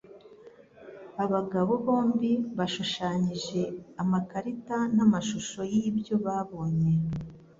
Abagabo bombi bashushanyije amakarita n'amashusho y'ibyo babonye.